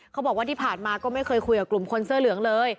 เขาบอกว่าที่ผ่านมาก็ไม่เคยคุยกับกลุ่มคนเสื้อเหลืองเลย